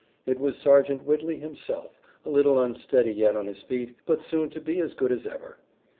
It was Sergeant Whitley himself, a little unsteady yet on his feet, but soon to be as good as ever.